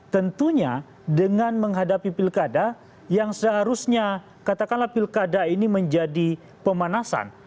tentunya dengan menghadapi pilkada yang seharusnya katakanlah pilkada ini menjadi pemanasan